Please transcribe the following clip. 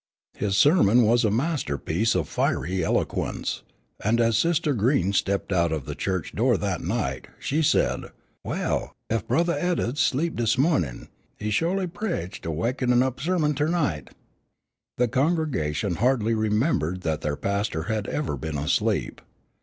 His sermon was a masterpiece of fiery eloquence, and as Sister Green stepped out of the church door that night, she said, "Well, ef Brothah Eddards slep' dis mornin', he sholy prached a wakenin' up sermon ter night." The congregation hardly remembered that their pastor had ever been asleep.